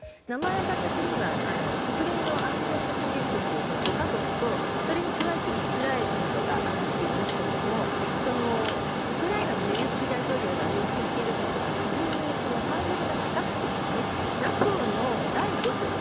名前が挙がった国は国連の安全保障理事国５か国とそれに加えて、イスラエルなどが挙がっていますがウクライナのゼレンスキー大統領が要求していることは非常にハードルが高くてＮＡＴＯの第５条